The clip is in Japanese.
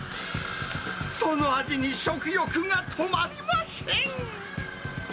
その味に食欲が止まりません。